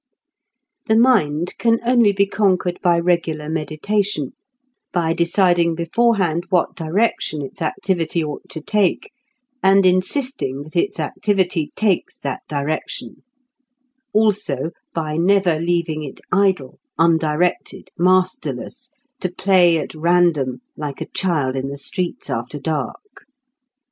The mind can only be conquered by regular meditation, by deciding beforehand what direction its activity ought to take, and insisting that its activity takes that direction; also by never leaving it idle, undirected, masterless, to play at random like a child in the streets after dark.